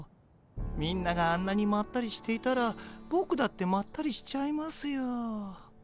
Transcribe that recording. みんながあんなにまったりしていたらボクだってまったりしちゃいますよ。